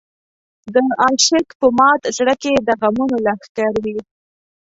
د عاشق په مات زړه کې د غمونو لښکر وي.